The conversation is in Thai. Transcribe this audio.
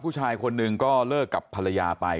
ผู้ชายคนหนึ่งก็เลิกกับภรรยาไป